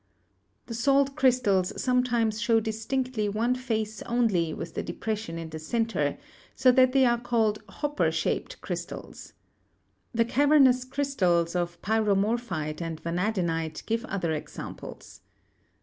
The salt crystals sometimes show distinctly one face only with the depression in the center, so that they are called hopper shaped crystals. The cavernous crystals of pyromorphite and vanadinite give other examples.